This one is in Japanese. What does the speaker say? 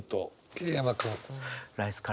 桐山君。